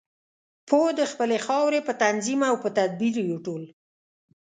پوه د خپلې خاورې په تنظیم او په تدبیر یو ټول.